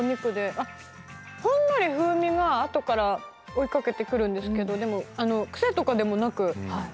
あっほんのり風味が後から追いかけてくるんですけどでも癖とかでもなく。